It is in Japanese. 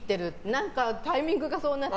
何か、タイミングがそうなって。